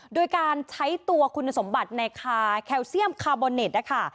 โดยการใช้ตัวคุณสมบัติในคาแคลเซียมคาร์โบเน็ตนะคะ